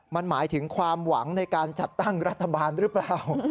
มันหมายถึงความหวังในการจัดตั้งรัฐบาลหรือเปล่า